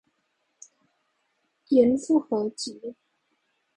嚴復合集